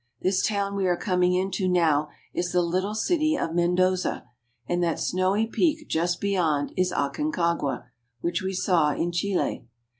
This town we are coming into now is the Httle city of Mendoza, and that snowy peak just beyond is Aconcagua, which we saw in Chile.